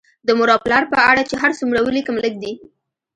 د مور او پلار په اړه چې هر څومره ولیکم لږ دي